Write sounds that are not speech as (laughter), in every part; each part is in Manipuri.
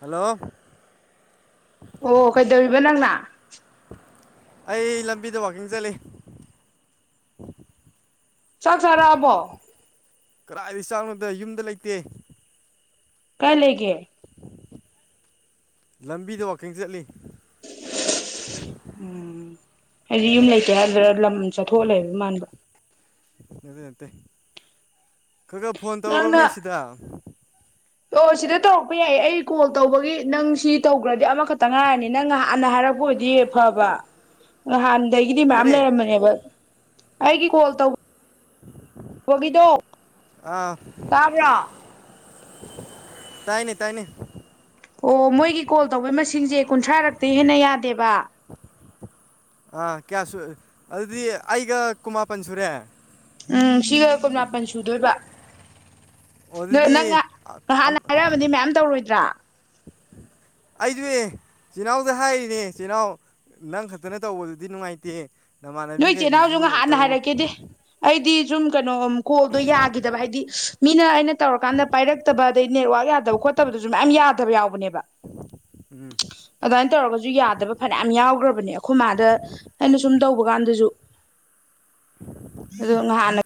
ꯍꯂꯣ ꯑꯣ ꯀꯩꯗꯧꯔꯤꯕ ꯅꯪꯅ ꯑꯩ ꯂꯝꯕꯤꯗ ꯋꯀꯤꯡ ꯆꯠꯂꯤ ꯆꯥꯛ ꯆꯥꯔꯛ ꯑꯕꯣ ꯀꯗꯥꯏꯗꯩꯩ ꯆꯥꯛꯅꯣꯗ ꯌꯨꯝꯗ ꯂꯩꯇꯦ꯫ ꯀꯥꯏ ꯂꯩꯒꯦ꯫ ꯂꯝꯕꯤꯗ ꯥꯋꯀꯤꯡ ꯆꯠꯂꯤ꯫ (inaudible) ꯎꯝ ꯍꯥꯏꯗꯤ ꯌꯨꯝ ꯂꯩꯇꯦ ꯍꯥꯏꯗ꯭ꯔ ꯂꯝ ꯆꯠꯊꯣꯛꯍꯂꯦꯕ ꯃꯥꯟꯕ ꯌꯥꯠꯇꯦ ꯅꯠꯇꯦ ꯈꯔ ꯈꯔ ꯐꯣꯟ ꯅꯪꯅ ꯇꯧꯔꯕꯅꯦ ꯁꯤꯗꯥ ꯑꯣ ꯁꯤꯗ ꯇꯧꯔꯛꯄ ꯌꯥꯏꯌꯦ ꯑꯩ ꯀꯣꯜ ꯇꯧꯕꯒꯤ ꯅꯪ ꯁꯤ ꯇꯧꯈ꯭ꯔꯗꯤ ꯑꯃꯈꯛꯇ ꯉꯥꯏꯔꯅꯤ ꯅꯪ ꯍꯥꯟꯅ ꯍꯥꯏꯔꯛꯄꯕꯨꯗꯤ ꯐꯥ ꯕ ꯅꯍꯥꯟꯗꯒꯤꯗꯤ ꯃꯌꯥꯝ ꯀꯔꯤ ꯂꯩꯔꯝꯕꯅꯦꯕ ꯑꯩꯒꯤ ꯀꯣ ꯇꯧꯕ ꯎꯝ ꯍꯒꯗꯨ ꯑꯥ ꯇꯥꯏꯅꯦ ꯇꯥꯏꯅꯦ ꯑꯣ ꯃꯣꯏꯒꯤ ꯀꯣꯜ ꯇꯧꯕꯩ ꯃꯁꯤꯡꯁꯦ ꯀꯨꯟꯊ꯭ꯔꯥꯔꯛꯇꯤ ꯍꯦꯟꯅ ꯌꯥꯗꯦꯕ ꯑꯥ ꯀꯌꯥ ꯁ ꯑꯗꯨꯗꯤ ꯑꯩꯒ ꯀꯨꯃꯥꯄꯟ ꯁꯨꯔꯦ ꯎꯝ ꯁꯤꯒ ꯀꯨꯟ ꯃꯥꯄꯟ ꯁꯨꯗꯣꯏꯕ ꯑ ꯅꯪ ꯑꯗꯨꯗꯤ ꯍꯥꯟꯅ ꯍꯥꯏꯔꯛꯑꯕꯗꯤ ꯃꯌꯥꯝ ꯇꯧꯔꯣꯏꯗ꯭ꯔꯥ ꯑꯩꯗꯨ ꯆꯤꯜꯅꯥꯎꯗ ꯍꯥꯏꯔꯤꯅꯦ ꯆꯤꯜꯅꯥꯎ ꯅꯪ ꯈꯛꯇꯅ ꯇꯧꯕꯗꯨꯗꯤ ꯅꯨꯡꯉꯥꯏꯇꯦ ꯅꯣꯏ ꯆꯦ ꯅꯥꯎꯁꯨ ꯅꯃꯥꯟꯅꯕꯤꯈꯩꯗꯨꯁꯨ ꯍꯥꯟꯅ ꯇꯧꯔꯣ ꯍꯥꯏꯔꯛꯀꯦꯗꯤ ꯑꯩꯗꯤ ꯁꯨꯝ ꯀꯩꯅꯣ ꯀꯣꯜꯗꯣ ꯌꯥꯈꯤꯗꯕ ꯍꯥꯏꯗꯤ ꯃꯤꯅ ꯑꯩꯅ ꯇꯧꯔꯀꯥꯟꯗ ꯄꯥꯏꯔꯛꯇꯕ ꯑꯗꯩ ꯅꯦꯠꯋꯥꯥꯛ ꯌꯥꯗꯕ ꯈꯣꯠ ꯈꯣꯠꯇꯕꯗꯨꯁꯨ ꯃꯌꯥꯝ ꯌꯥꯗꯕ ꯌꯥꯎꯕꯅꯦꯕ ꯎꯝ ꯑꯗꯨꯃꯥꯏꯅ ꯇꯧꯔꯒꯁꯨ ꯌꯥꯗꯕ ꯐꯅꯌꯥꯝ ꯌꯥꯎꯈ꯭ꯔꯕꯅꯦ ꯑꯩꯈꯣꯏ ꯃꯥꯗ ꯑꯩꯅ ꯁꯨꯝ ꯇꯧ ꯍ ꯀꯥꯟꯗꯁꯨ ꯑꯗꯨ ꯍꯅ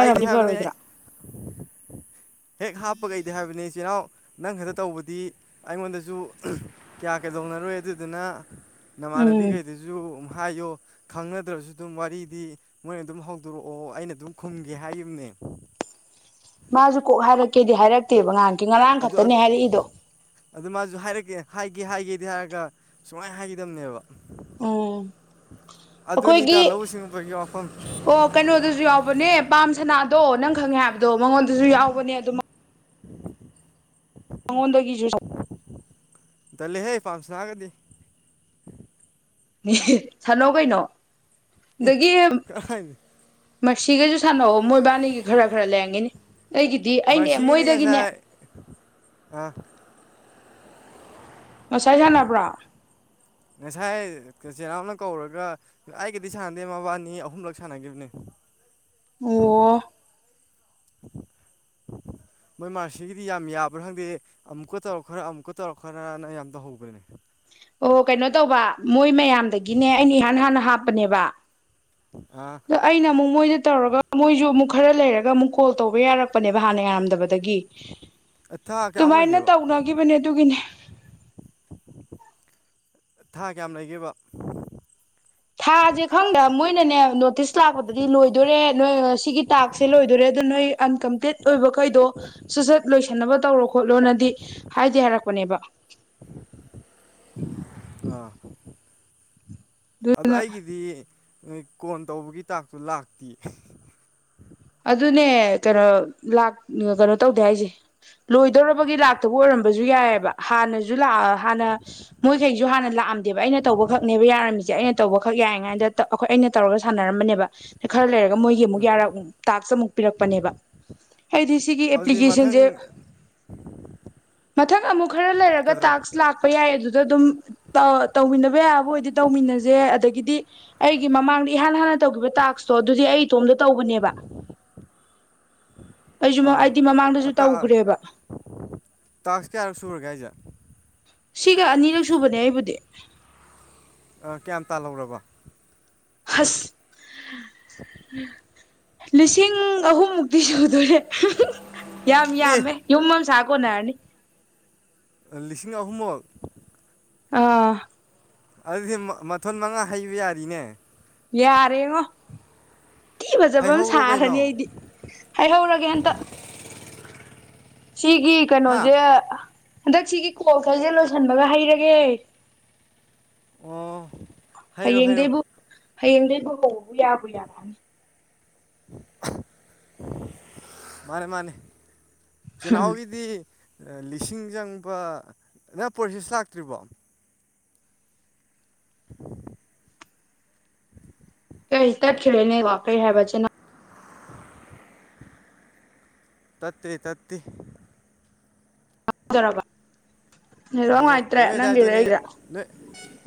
ꯑꯩꯗꯤ ꯍꯥꯏꯕꯅꯦ ꯑꯩ ꯕꯔꯣꯏꯗ꯭ꯔꯥ ꯍꯦꯛ ꯍꯥꯞꯄ ꯀꯩꯗꯤ ꯍꯥꯏꯕꯅꯤ ꯆꯦꯅꯥꯎ ꯅꯪ ꯈꯛꯇ ꯇꯧꯕꯗꯤ ꯑꯩꯉꯣꯟꯗꯁꯨ ꯀꯌꯥ ꯀꯌꯥꯗꯧꯅꯔꯣꯏ ꯑꯗꯨꯗꯨꯅ ꯎꯝ ꯅꯃꯥꯟꯅꯕꯤꯈꯩꯗꯁꯨ ꯍꯥꯏꯌꯣ ꯈꯪꯅꯗ꯭ꯔꯁꯨ ꯑꯗꯨꯝ ꯋꯥꯔꯤꯗꯤ ꯃꯣꯏꯅ ꯑꯗꯨꯝ ꯍꯧꯗꯣꯔꯛꯑꯣ ꯑꯩꯅ ꯑꯗꯨꯝ ꯈꯨꯝꯒꯦ ꯍꯥꯏꯈꯤꯕꯅꯦ (inaudible) ꯃꯥꯁꯨ ꯀꯣꯛ ꯍꯥꯏꯔꯛꯀꯦꯗꯤ ꯍꯥꯏꯔꯛꯇꯦꯕ ꯉꯍꯥꯟ ꯑꯗꯨ ꯑꯗꯨ ꯃꯥꯁꯨ ꯍꯥꯏꯔꯛ ꯍꯥꯏꯒꯦ ꯍꯥꯏꯒꯦ ꯍꯥꯏꯒꯦꯗꯤ ꯍꯥꯏꯔꯒ ꯁꯨꯃꯥꯏꯅ ꯍꯥꯏꯈꯤꯗꯕꯅꯦꯕ ꯎꯝ ꯑꯗꯨꯅꯤ ꯇ ꯑꯩꯈꯣꯏꯒꯤ ꯂꯧꯎ ꯁꯤꯡꯎꯕꯒꯤ ꯋꯥꯐꯝ ꯍꯕꯅꯦ ꯄꯥꯝ ꯁꯅꯥꯗꯣ ꯅꯪ ꯈꯪꯉꯦ ꯍꯥꯏꯕꯗꯣ ꯃꯉꯣꯟꯗꯁꯨ ꯌꯥꯎꯕꯅꯦ ꯑꯗꯨꯝ ꯃꯉꯣꯟꯗꯒꯤꯁꯨ ꯗꯜꯂꯤꯍꯦ ꯄꯥꯝ ꯁꯅꯥꯒꯗꯤ ꯁꯥꯟꯅꯧ ꯀꯩꯅꯣ ꯑꯦ ꯀꯔꯥꯢꯗ ꯃꯁꯤꯈꯩꯁꯨ ꯁꯥꯟꯅꯑꯣ ꯃꯣꯏ ꯏꯕꯥꯅꯤꯒꯤ ꯈꯔ ꯈꯔ ꯂꯩꯔꯝꯒꯅꯤ ꯑꯩꯒꯤꯗꯤ ꯑꯩꯅꯦ ꯃꯔꯁꯤꯒꯗꯤ ꯃꯣꯏꯗꯒꯤꯅꯦ ꯉꯁꯥꯏ ꯑ ꯉꯁꯥꯏ ꯁꯅꯕ꯭ꯔꯥ ꯏꯆꯦꯅꯥꯎꯅ ꯀꯧꯔꯒ ꯑꯩꯒꯗꯤ ꯁꯥꯟꯅꯗꯦ ꯃꯕꯥꯅꯤ ꯑꯍꯨꯝꯂꯛ ꯁꯥꯟꯅꯈꯤꯕꯅꯤ ꯑꯣ (inaudible) ꯃꯣꯏ ꯃꯥꯔꯁꯤꯒꯤꯗꯤ ꯌꯥꯝ ꯌꯥꯕ꯭ꯔꯥ ꯈꯪꯗꯦ ꯑꯃꯨꯛꯀ ꯇꯧꯔꯛꯈ꯭ꯔ ꯑꯃꯨꯛꯀ ꯇꯧꯔꯛ ꯈ꯭ꯔꯅ ꯌꯥꯝ ꯇꯧꯍꯧꯕꯅꯤ ꯑꯣ ꯀꯩꯅꯣ ꯇꯧꯕ ꯃꯣꯏ ꯃꯌꯥꯝꯗꯒꯤꯅꯦ ꯑꯩꯅ ꯏꯍꯥꯟ ꯍꯥꯟꯅ ꯍꯥꯞꯄꯅꯦꯕ ꯑ ꯑꯗꯣ ꯑꯩꯅ ꯑꯃꯨꯛ ꯃꯣꯏꯗ ꯇꯧꯔꯒ ꯃꯣꯏꯁꯨ ꯑꯃꯨꯛ ꯈꯔ ꯂꯩꯔꯒ ꯑꯃꯨꯛ ꯀꯣꯜ ꯇꯧꯕ ꯌꯥꯔꯛꯄꯅꯦꯕ ꯍꯥꯟꯅ ꯌꯥꯔꯝꯗꯕꯗ ꯊꯥ ꯀꯌꯥꯃꯨꯛ ꯑꯗꯨꯃꯥꯏꯅ ꯂꯩꯒꯦꯕ ꯇꯧꯅꯈꯤꯕꯅꯦ ꯑꯗꯨꯒꯤꯅꯦ ꯊꯥ ꯀꯌꯥꯝ ꯂꯩꯒꯦꯕ ꯊꯥꯁꯦ ꯈꯪꯗ꯭ꯔꯥ ꯃꯣꯏꯅꯅꯦ ꯅꯣꯇꯤꯁ ꯂꯥꯛꯄꯗꯗꯤ ꯂꯣꯏꯗꯣꯏꯣꯔꯦ ꯅꯣꯏ ꯁꯤꯒꯤ ꯇꯥꯛꯁꯦ ꯂꯣꯏꯗꯣꯔꯦ ꯑꯗ ꯅꯣꯏ ꯑꯟꯀꯝꯄꯤꯠ ꯑꯣꯏꯕꯈꯩꯗꯣ ꯁꯨꯠꯆꯠ ꯂꯣꯏꯁꯤꯟꯅꯕ ꯇꯧꯔꯣ ꯈꯣꯠꯂꯣꯅꯗꯤ ꯍꯥꯏꯗꯤ ꯍꯥꯏꯔꯛꯄꯅꯦꯕ ꯑꯥ ꯑꯗꯣ ꯑꯗꯨꯗꯨꯅ ꯑꯩꯒꯤꯗꯤ ꯅꯣꯏ ꯀꯣꯟ ꯇꯧꯕꯒꯤ ꯇꯥꯛꯇꯨ ꯂꯥꯛꯇꯦ ꯑꯗꯨꯅꯦ ꯀꯩꯅꯣ ꯂꯥꯛ ꯀꯩꯅꯣ ꯇꯧꯗꯦ ꯍꯥꯏꯁꯦ ꯂꯣꯏꯗꯧꯔꯕꯒꯤ ꯂꯥꯛꯇꯕ ꯑꯣꯏꯔꯝꯕꯁꯨ ꯌꯥꯏꯑꯕ ꯍꯥꯟꯅꯁꯨ ꯂꯑ ꯍꯥꯟꯅ ꯃꯣꯏꯈꯩꯁꯨ ꯍꯥꯟꯅ ꯂ ꯄꯥꯝꯗꯦꯕ ꯑꯩꯅ ꯇꯧꯕꯈꯛꯅꯦꯕ ꯌꯥꯔꯝꯃꯤꯁꯦ ꯑꯩꯅ ꯇꯧꯕꯈꯛ ꯌꯥꯏꯉꯗ ꯑꯩꯈꯣꯏ ꯑꯩꯅ ꯇꯧꯔꯒ ꯁꯥꯟꯅꯔꯝꯕꯅꯦꯕ ꯈꯔ ꯂꯩꯔ ꯃꯣꯏꯒꯤ ꯑꯃꯨꯛ ꯑꯥ ꯌꯥꯔꯛꯎ ꯄꯤꯔꯛꯄꯅꯦꯕ ꯍꯥꯏꯗꯤ ꯁꯤꯒꯤ ꯑꯗꯨꯗꯤ ꯃꯊꯪ ꯑꯦꯄ꯭ꯂꯤꯀꯦꯁꯟꯁꯦ ꯃꯊꯪ ꯑꯃꯨꯛ ꯈꯔ ꯂꯩꯔꯒ ꯀꯩꯗꯧꯔ ꯇꯥꯛꯁ ꯂꯥꯛꯄ ꯌꯥꯏ ꯑꯗꯨꯗ ꯑꯗꯨꯝ ꯇꯧ ꯊꯕ ꯑꯕ ꯑꯣꯏꯗꯤ ꯇꯧꯃꯤꯟꯅꯁꯦ ꯑꯗꯒꯤꯗꯤ ꯑꯩꯒꯤ ꯃꯃꯥꯡꯗ ꯏꯍꯥꯟ ꯍꯥꯟꯅ ꯇꯧꯈꯤꯕ ꯇꯥꯛꯁꯇꯣ ꯑꯗꯨꯗꯤ ꯑꯩ ꯁꯣꯝꯗ ꯇꯧꯕꯅꯦꯕ ꯑꯩꯁꯨ ꯍꯥꯏꯗꯤ ꯃꯃꯥꯡꯗꯁꯨ ꯑꯥ ꯇꯧꯈ꯭ꯔꯦꯕ ꯇꯥꯛꯁ ꯀꯌꯥꯔꯛ ꯁꯨꯔꯒꯦ ꯍꯥꯏꯁꯦ ꯁꯤꯒ ꯑꯅꯤꯔꯛ ꯁꯨꯕꯅꯦ ꯑꯩꯕꯨꯗꯤ ꯀꯌꯥꯝ ꯇꯥꯜꯍꯧꯔꯕ ꯑꯁ ꯂꯤꯁꯤꯡ ꯑꯍꯨꯝ ꯗꯤ ꯁꯨꯗꯨꯔꯦ ꯌꯥꯝ ꯑꯦ ꯌꯥꯝꯃꯦ ꯌꯨꯝꯝ ꯁꯥꯀꯣ ꯅꯥꯔꯅꯤ ꯂꯤꯁꯤꯡ ꯑꯍꯨꯝꯃ ꯑꯥ ꯑꯗꯨꯗꯤ ꯃꯊꯣꯟ ꯃꯉꯥ ꯍꯩꯕ ꯌꯥꯔꯤꯅꯦ ꯌꯦ ꯑꯔꯦꯉ ꯀꯤ ꯐꯖꯕ ꯑꯃ ꯍꯩꯍꯧꯔꯣ ꯀꯩꯅꯣ ꯁꯥꯔꯅꯤ ꯑꯩꯗꯤ ꯍꯥꯏꯍꯧꯔꯒꯦ ꯍꯟꯇ ꯁꯤꯒꯤ ꯍꯥ ꯀꯩꯅꯣꯁꯦ ꯍꯟꯗꯛ ꯁꯤꯒꯤ ꯀꯣꯜ ꯈꯔꯁꯦ ꯂꯣꯏꯁꯤꯟꯕꯒ ꯍꯩꯔꯒꯦ ꯑꯣ ꯍꯥꯏꯔꯣ ꯍꯥꯏꯔꯣ ꯍꯌꯦꯡꯗꯒꯤꯩ ꯂꯍꯕꯨ ꯌꯥꯕꯨ ꯌꯥꯔꯛꯅꯤ ꯃꯥꯅꯦ ꯃꯥꯅꯦ ꯆꯅꯥꯎ ꯏꯗꯤ ꯂꯤꯁꯤꯡ ꯆꯪꯕ ꯅꯪ ꯄ꯭ꯔꯣꯁꯤꯦꯁ ꯂꯥꯛꯇ꯭ꯔꯤꯕꯣ (unintelligible) ꯀꯩ ꯇ ꯈꯅꯦ ꯋꯥꯄ ꯍꯥꯏꯕꯆꯅ ꯇꯠꯇꯦ ꯇꯠꯇꯄꯤ ꯍꯖꯔꯔꯕ ꯅꯣꯏ ꯅꯣꯏ ꯑꯗꯨꯗꯥꯏꯗꯅꯦ ꯅꯣꯏ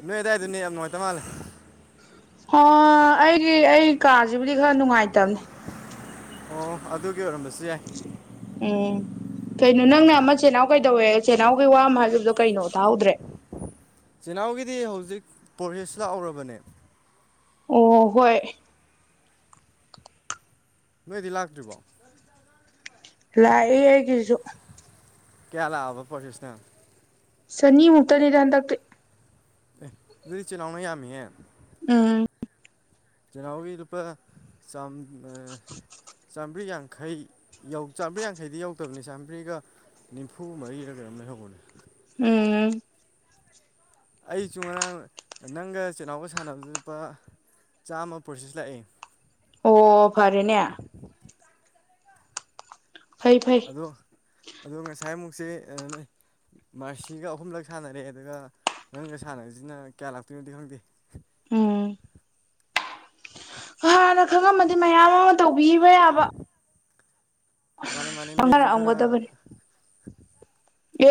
ꯅꯣꯏ ꯑꯗꯨꯗꯥꯋꯥꯏꯗꯅꯦ ꯌꯥꯝ ꯅꯨꯡꯉꯥꯏꯇ ꯃꯥꯜꯂꯦ ꯑꯣ ꯑꯩꯒꯤ ꯑꯩ ꯀꯥꯁꯤꯕꯨꯗꯤ ꯈꯔ ꯅꯨꯡꯉꯥꯏꯇꯕꯅꯤ ꯑꯣ ꯑꯗꯨꯒꯤ ꯑꯣꯏꯔꯝꯕꯁꯦ ꯎꯝ ꯀꯩꯅꯣ ꯅꯪꯅ ꯃꯆꯅꯣ ꯀꯩꯗ ꯩ ꯇꯧꯋꯦ ꯆꯦꯅꯥꯍꯎꯒꯤ ꯋꯥ ꯑꯃ ꯍꯥꯏꯈꯤꯕꯗꯣ ꯀꯩꯅꯣ ꯇꯥꯍꯧꯗ꯭ꯔꯦ ꯆꯤꯜ ꯏꯅꯥꯎꯒꯤꯗꯤ ꯍꯧꯖꯤꯛ ꯄ꯭ꯔꯣꯁꯦꯁ ꯂꯥꯛꯎꯔꯕꯅꯦ ꯑꯣ ꯍꯣꯏ ꯅꯣꯏꯗꯤ ꯂꯥꯛꯇ꯭ꯔꯤꯕꯣ ꯂꯥꯛꯑ ꯀꯁꯨ ꯀꯌꯥꯂꯕ ꯄꯁꯦꯁꯅꯦ ꯁꯅꯤ ꯃꯨꯛꯇꯗꯗ ꯑꯗꯇꯦ ꯑꯦ ꯑꯗꯨꯗꯤ ꯏꯆꯤꯜꯅꯥꯎꯅ ꯌꯥꯝꯃꯤꯍꯦ ꯎꯝ ꯆꯅꯥꯎꯒꯤꯗꯨꯨꯄꯥꯄꯥ ꯆꯝ ꯆꯥꯝꯃꯔꯤ ꯌꯥꯡꯈꯩꯧ ꯆꯥꯝꯃꯔꯤ ꯌꯥꯡꯈꯩꯗꯤ ꯌꯧꯗꯕꯅꯤ ꯆꯥꯝꯃꯔꯤꯒ ꯅꯤꯝꯐꯨ ꯃꯔꯤꯔꯒ ꯝ ꯍꯕꯅꯦ ꯎꯝ ꯑꯩꯁꯨ ꯉꯔꯥꯡ ꯅꯪꯒ ꯆꯤꯜꯍꯅꯥꯎꯕ ꯁꯥꯟꯅꯕꯗ ꯂꯨꯄꯥ ꯆꯥꯝꯃ ꯄ꯭ꯔꯣꯁꯦꯁ ꯂꯥꯛꯑ ꯑꯣ ꯐꯔꯦꯅꯦ ꯐꯩ ꯐꯩ ꯑꯗꯣ ꯑꯗꯣ ꯉꯁꯥꯏꯃꯨꯛꯁꯦ ꯅꯣꯏ ꯃꯁꯤꯒ ꯑꯍꯨꯝꯂꯛ ꯁꯥꯟꯅꯔꯦ ꯑꯗꯨꯒ ꯅꯪꯅ ꯁꯥꯟꯅꯔꯤꯁꯤꯅ ꯀꯌꯥ ꯂꯥꯛꯇꯣꯏꯅꯣꯗꯤ ꯈꯪꯗꯦ ꯎꯝ ꯍꯥꯟꯅ ꯈꯪꯉꯝꯃꯗꯤ ꯃꯌꯥꯝ ꯑꯃ ꯇꯧꯕꯤꯕ ꯌꯥꯕ ꯃꯥꯅꯤ ꯃꯥꯅꯤ ꯅꯣꯏꯖꯨ ꯈꯔ ꯈꯪꯅꯔꯛꯑꯝꯒꯗꯕꯅꯤ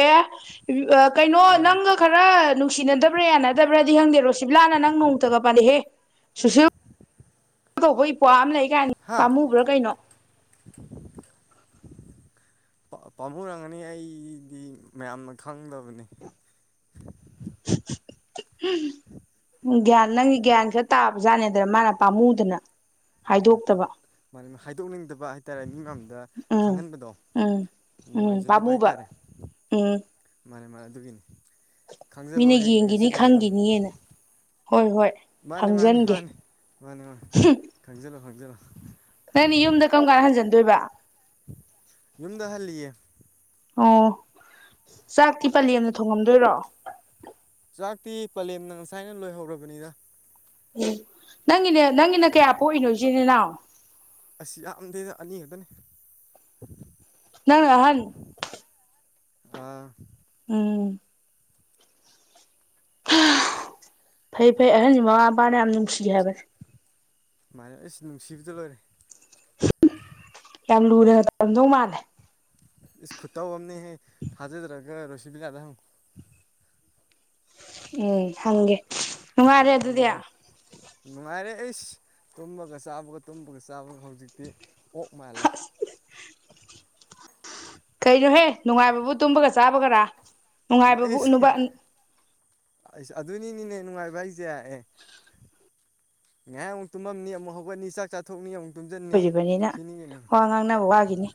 ꯑꯦ ꯀꯩꯅꯣ ꯃꯥꯅꯦ ꯅꯪꯒ ꯈꯔ ꯅꯨꯡꯁꯤꯅꯗꯕ꯭ꯔꯥ ꯌꯥꯅꯗꯕ꯭ꯔꯗꯤ ꯈꯪꯗꯦꯀꯣ ꯀꯤꯞꯂꯥꯅ ꯅꯪ ꯅꯣꯡꯇꯒ ꯄꯥꯅꯤꯍꯦ ꯁꯨꯁꯤꯨ (unintelligible) ꯇꯧꯕ ꯏꯄ꯭ ꯑꯃ ꯂꯩ ꯀꯥꯏꯅꯤ ꯍꯥ ꯃꯥꯝꯃꯨꯕ꯭ꯔꯥ ꯀꯩꯅꯣ (inaudible) ꯄꯥꯝꯃꯨꯔꯝꯒꯅꯤ ꯑꯩꯗꯤ ꯃꯌꯥꯝꯅ ꯈꯪꯗꯕꯅꯤ ꯎꯝ ꯒ꯭ꯌꯥꯟ ꯅꯪꯒꯤ ꯒ꯭ꯌꯥꯟ ꯈꯔ ꯇꯥꯕ ꯖꯥꯠꯅꯦ ꯑꯗ ꯃꯥꯅ ꯄꯥꯝꯃꯨꯗꯅ ꯃꯥꯅꯦ ꯍꯥꯏꯗꯣꯛꯇꯕ ꯃꯥꯅꯦ ꯍꯥꯏꯗꯣꯛꯅꯤꯡꯗꯕ ꯍꯥꯏꯇꯥꯔꯦ ꯃꯤ ꯃꯥꯡꯗ ꯎꯝ ꯈꯪꯍꯟꯕꯗꯣ ꯎꯝ ꯎꯝ ꯅꯨꯡꯉꯥꯏꯖꯗꯕ ꯄꯥꯃꯨꯕ ꯍꯥꯏꯇꯥꯔꯦ ꯎꯝ ꯃꯥꯅꯦ ꯃꯥꯅꯦ ꯑꯗꯨꯒꯤꯅꯤ ꯈꯪꯖꯜꯂꯣ ꯃꯤꯅ ꯍꯌꯦꯡ ꯌꯦꯡꯒꯤꯅꯤ ꯉꯁꯤꯗꯒꯤ ꯈꯪꯒꯤꯅꯤꯅ ꯍꯣꯏ ꯍꯣꯏ ꯃꯥꯅꯤ ꯃꯥꯅꯤ ꯈꯪꯖꯟꯒꯦ ꯃꯥꯅꯤ ꯃꯥꯅꯤ ꯃꯥꯅꯤ ꯈꯪꯖꯂꯣ ꯈꯪꯖꯂꯣ ꯅꯪꯅꯤ ꯌꯨꯝꯗ ꯀꯔꯝ ꯀꯥꯟꯗ ꯍꯟꯖꯤꯟꯗꯣꯏꯕ ꯌꯨꯝꯗꯍꯜ ꯂꯤꯌꯦ ꯑꯣ ꯆꯥꯛꯇꯤ ꯄꯂꯦꯝꯅ ꯊꯣꯡꯉꯝꯗꯣꯏꯔꯣ ꯆꯥꯛꯇꯤ ꯄꯂꯦꯝꯅ ꯉꯁꯥꯏꯅ ꯂꯣꯏꯍꯧꯔꯕꯅꯤꯗ ꯎ ꯅꯪꯒꯤꯅꯦ ꯅꯪꯒꯤꯅ ꯀꯌꯥ ꯄꯣꯛꯏꯅꯣ ꯏꯆꯤꯟ ꯏꯅꯥꯎ ꯑꯁ ꯌꯥꯝꯃꯗꯦꯗ ꯑꯅꯤ ꯈꯠꯇꯅꯦ ꯅꯪ ꯑꯍꯟ ꯎꯝ ꯎꯝ ꯐꯩ ꯐꯩ ꯑꯍꯟꯒꯤ ꯃꯃꯥ ꯃꯄꯥꯅ ꯌꯥꯝ ꯅꯨꯡꯁꯤ ꯍꯥꯏꯕꯅꯦ ꯁꯨꯃꯥꯏꯅ ꯑꯁ ꯅꯨꯡꯁꯤꯕꯗ ꯂꯣꯏꯔꯦ ꯌꯥꯝ ꯂꯨꯅ ꯇꯧꯔꯝꯗꯧ ꯃꯥꯜꯂꯦ ꯏꯁ ꯈꯨꯠꯇꯧ ꯑꯃꯅꯦꯍꯦ ꯊꯥꯖꯗ꯭ꯔꯒ ꯔꯣꯁꯤꯕꯤꯅꯗ ꯍꯪꯉꯣ ꯎꯝ ꯍꯪꯒꯦ ꯅꯨꯡꯉꯥꯏꯔꯦ ꯍꯪꯉꯨ ꯑꯗꯨꯗꯤ ꯍꯪꯉꯨ ꯑꯁ ꯅꯨꯡꯉꯥꯏꯔꯦ ꯑꯩꯁ ꯇꯨꯝꯕꯒ ꯆꯥꯕꯒ ꯇꯨꯝꯕꯒ ꯆꯥꯕꯒ ꯍꯧꯖꯤꯛꯇꯤ ꯑꯣꯛ ꯃꯥꯜꯂꯦ ꯀꯩꯅꯣꯍꯦ ꯅꯨꯡꯉꯥꯏꯕꯕꯨ ꯇꯨꯝꯕꯒ ꯆꯥꯕꯒꯔꯥ ꯅꯨꯡꯉꯥꯏꯕꯕꯨ ꯑꯩꯁ ꯎꯨꯅꯕ ꯑꯩꯁ ꯑꯗꯨꯅꯤꯅꯤꯅꯦ ꯅꯨꯡꯉꯥꯏꯕ ꯍꯥꯏꯁꯦ ꯑꯦ ꯉꯏꯍꯥꯛ ꯑꯃꯨꯛ ꯇꯨꯝꯃꯝꯅꯤ ꯑꯃꯨꯛ ꯍꯧꯒꯠꯅꯤ ꯆꯥꯛ ꯆꯥꯊꯣꯛꯅꯤ ꯑꯃꯨꯛ ꯇꯨꯝꯖꯟꯅꯤ ꯑꯣꯏꯔꯤꯕꯅꯤꯅ ꯁꯤꯅꯤ ꯀꯩꯅꯣ ꯋꯥ ꯉꯥꯡꯅꯕ ꯋꯥꯒꯤꯅꯤ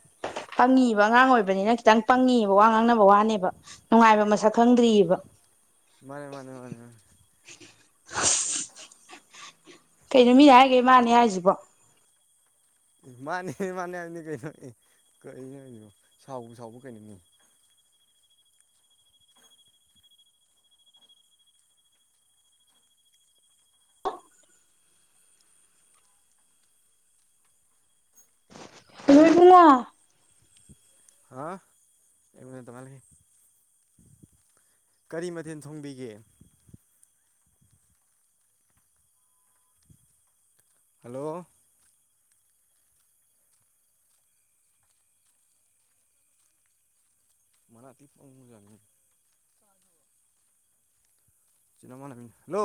ꯄꯪꯉꯤ ꯑꯉꯥꯡ ꯑꯣꯏꯕꯅꯤꯅ ꯈꯤꯇꯪ ꯄꯪꯉꯤꯕ ꯋꯥ ꯉꯥꯡꯅꯕ ꯋꯥꯅꯤꯕ ꯅꯨꯡꯉꯥꯏꯕ ꯃꯁꯛ ꯈꯪꯗ꯭ꯔꯤꯕ ꯃꯥꯅꯦ ꯃꯥꯅꯦ ꯃꯥꯅꯦ ꯃꯥꯅꯦ (unintelligible) ꯀꯩꯅꯣ ꯃꯤꯅ ꯍꯥꯏꯒꯩ ꯃꯥꯅꯤ ꯍꯥꯏꯔꯤꯁꯤꯕꯣ ꯃꯥꯅꯦ ꯃꯥꯅꯦ ꯍꯥꯏꯕꯅꯤ ꯀꯩꯅꯣ ꯑꯦ ꯀꯅꯤꯅꯣ ꯁꯥꯎꯕꯨ ꯁꯥꯎꯕꯔ ꯀꯩꯅꯣꯅꯦ ꯏꯕꯨꯉꯣ ꯍꯥ ꯂꯩꯃꯤ (inaudible) ꯀꯔꯤ ꯃꯊꯦꯜ ꯊꯣꯡꯕꯤꯒꯦ ꯍꯜꯂꯣ ꯃ ꯇꯤ ꯐ ꯃꯖꯪꯅꯤ (inaudible) ꯆꯤꯅꯃ ꯍꯜꯂꯣ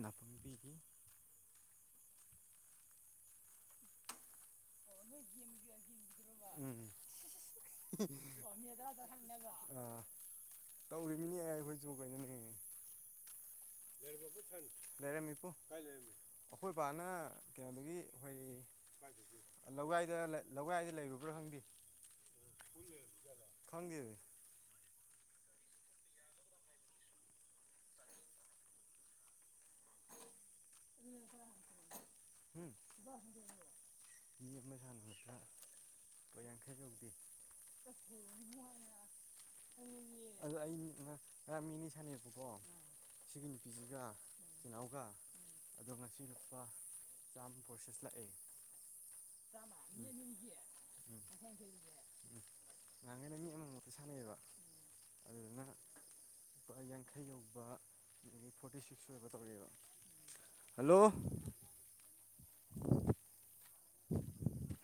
ꯅꯥꯇꯣꯡꯕꯤꯒꯤ ꯑ ꯎꯝ ꯑꯥ ꯇꯧꯔꯤꯕꯃꯤꯅꯦ ꯑꯦ ꯑꯩꯈꯣꯏꯁꯨ ꯀꯣꯏꯩꯅꯣꯅꯦ ꯍ ꯂꯩꯔꯝꯃꯤꯄꯨ ꯑꯩꯈꯣꯏ ꯕꯥꯅ ꯀꯩꯅꯣꯗꯒꯤ ꯑꯩꯈꯣꯏ ꯂꯧꯒꯏꯗ ꯂꯧꯒꯏꯗ ꯂꯩꯔꯨꯕ꯭ꯔꯥ ꯈꯪꯗꯦ ꯈꯪꯒꯤꯦ ꯑ ꯎꯝ ꯌꯦ ꯃ ꯁꯠꯇ ꯄꯡꯈ ꯆꯧꯗꯤ ꯑꯗꯨ ꯑꯩ ꯉ ꯃꯤꯅꯤ ꯁꯅꯄꯀꯣ ꯁꯤꯒꯟ ꯄꯤꯖꯤꯒ ꯆꯍꯎꯒ ꯑꯗꯣ ꯉꯁꯤ ꯂꯨꯄꯥ ꯆꯥꯝꯃ ꯄ꯭ꯔꯣꯁꯦꯁ ꯂꯥꯛꯑꯦ (unintelligible) ꯉꯥꯡꯉꯅ ꯃꯤ ꯑꯃꯃꯃꯨꯛꯇꯤ ꯁꯥꯟꯅꯩꯌꯦꯕ ꯑ ꯂꯨꯄꯥ ꯌꯥꯡꯈꯩ ꯌꯧꯕ ꯑꯗꯒꯤ ꯐꯣꯔꯇꯤ ꯁꯤꯛꯁ ꯑꯣꯏꯕ ꯇꯧꯔꯤꯑꯦꯕ ꯍꯂꯣ ꯎ (unintelligible)